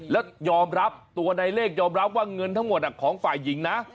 แล้วยอมรับตัวในเลขยอมรับว่าเงินทั้งหมดของฝ่ายหญิงนะ